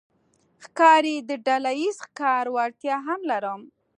ښکاري د ډلهییز ښکار وړتیا هم لري.